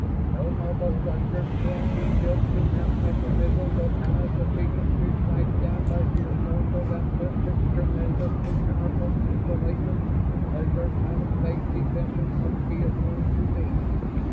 "No mobile structure can be built to mount mechanisms of power sufficient to smash down by sheer force of output such tremendously powerful installations as their planet based defenses must be assumed to be.